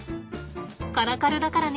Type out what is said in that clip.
カラカルだからね。